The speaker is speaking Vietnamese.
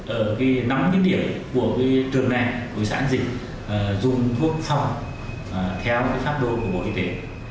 ở năm cái địa của trường này của xã hạnh dịch dùng thuốc phòng theo pháp đô của bộ y tế